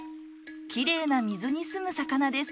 きれいな水に住む魚です。